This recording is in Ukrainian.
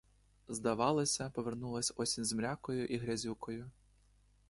Здавалося, повернулась осінь з мрякою і грязюкою.